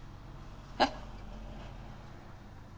えっ？